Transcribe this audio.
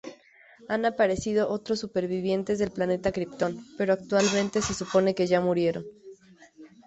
Han aparecido otros supervivientes del planeta Krypton, pero actualmente se supone que ya murieron.